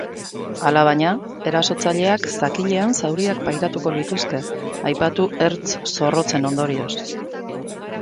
Alabaina, erasotzaileak zakilean zauriak pairatuko lituzke, aipatu ertz zorrotzen ondorioz.